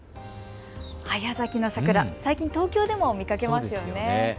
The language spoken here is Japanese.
早咲きの桜、最近東京でも見かけますよね。